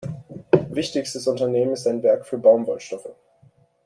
Wichtigstes Unternehmen ist ein Werk für Baumwollstoffe.